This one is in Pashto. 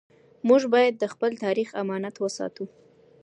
موږ بايد د خپل تاريخ امانت وساتو.